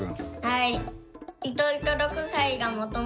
はい。